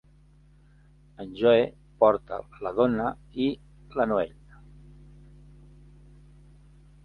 En Joe porta la Donna i la Noelle.